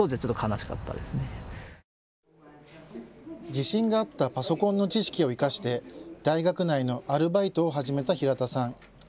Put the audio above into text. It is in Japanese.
自信があったパソコンの知識を生かして大学内のアルバイトを始めた平田さん。